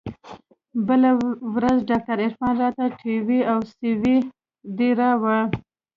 بله ورځ ډاکتر عرفان راته ټي وي او سي ډي راوړه.